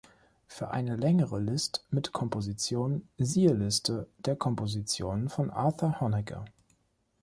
Für eine längere List mit Kompositionen siehe Liste der Kompositionen von Arthur Honegger.